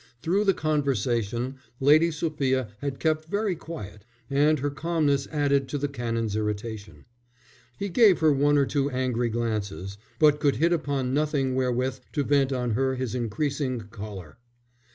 Through the conservation Lady Sophia had kept very quiet, and her calmness added to the Canon's irritation. He gave her one or two angry glances, but could hit upon nothing wherewith to vent on her his increasing choler.